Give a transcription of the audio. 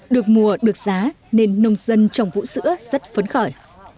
được mùa được giá nên nông dân trồng vũ sữa rất phấn khởi